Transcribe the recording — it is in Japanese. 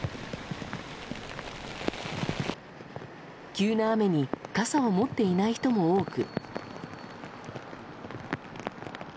急な雨に傘を持っていない人も多く。